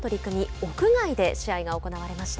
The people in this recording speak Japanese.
屋外で試合が行われました。